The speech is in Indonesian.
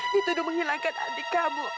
dituduh menghilangkan adik kamu